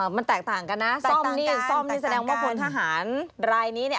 มันแตกต่างกันนะซ่อมนี่ซ่อมนี่แสดงว่าพลทหารรายนี้เนี่ย